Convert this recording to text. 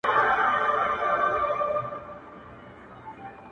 زما د اوښکي ـ اوښکي ژوند يوه حصه راوړې!